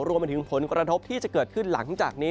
รวมไปถึงผลกระทบที่จะเกิดขึ้นหลังจากนี้